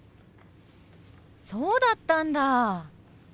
そうだったんだ！